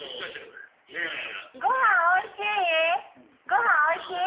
ご飯おいしい？